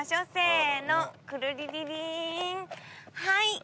はい。